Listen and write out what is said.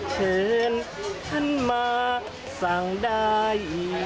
เชิญท่านมาสั่งได้